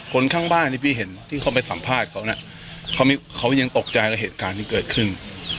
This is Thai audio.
คนข้างบ้านที่พี่เห็นที่เขาไปสัมภาษณ์เขาเนี่ยเขายังตกใจกับเหตุการณ์ที่เกิดขึ้น